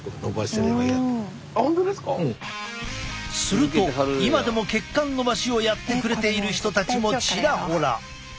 すると今でも血管のばしをやってくれている人たちもチラホラ。